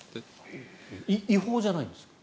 違法じゃないんですか？